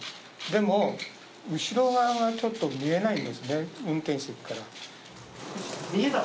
でも、後ろ側はちょっと見えないですね、運転席からは。